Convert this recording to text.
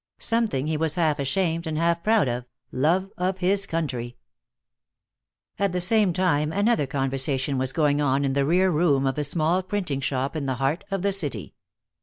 Something he was half ashamed and half proud of, love of his country. At the same time another conversation was going on in the rear room of a small printing shop in the heart of the city.